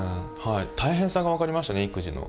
大変さが分かりましたね育児の。